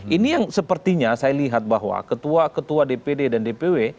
ini yang sepertinya saya lihat bahwa ketua ketua dpd dan dpw